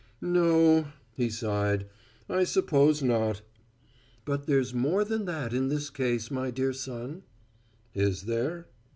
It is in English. "No," he sighed. "I suppose not." "But there's more than that in this case, my dear son." "Is there?"